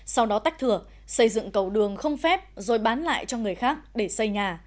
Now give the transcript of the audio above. sau đó tách thửa xây dựng cầu đường không phép rồi bán lại cho người khác để xây nhà